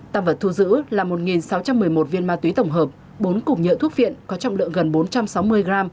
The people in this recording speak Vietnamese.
tăng vật thu giữ là một sáu trăm một mươi một viên ma túy tổng hợp bốn cục nhựa thuốc phiện có trọng lượng gần bốn trăm sáu mươi g